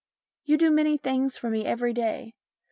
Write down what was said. You do many things for me every day.